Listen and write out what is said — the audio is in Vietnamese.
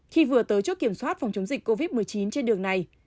khi vừa tới chốt kiểm soát phòng chống dịch covid một mươi chín trên đường này